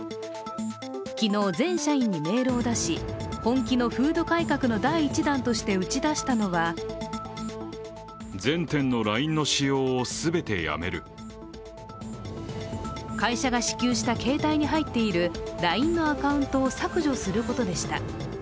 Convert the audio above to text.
昨日、全社員にメールを出し本気の風土改革の第１弾として打ち出したのは会社が支給した携帯に入っているＬＩＮＥのアカウントを削除することでした。